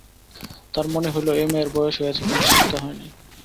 তাঁর মনে হইল, এ মেয়ের বয়স হইয়াছে কিন্তু শিক্ষা হয় নাই।